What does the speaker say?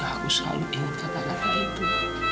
aku selalu ingat kata kata itu